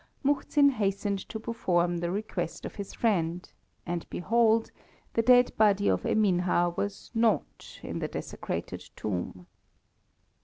Muhzin hastened to perform the request of his friend, and behold the dead body of Eminha was not in the desecrated tomb.